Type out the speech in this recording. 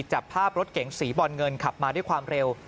จับภาพรถเก๋งสีบอลเงินขับมาด้วยความเร็ว